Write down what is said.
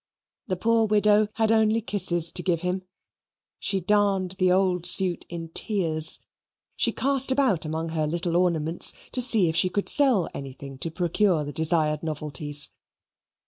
The poor widow had only kisses to give him. She darned the old suit in tears. She cast about among her little ornaments to see if she could sell anything to procure the desired novelties.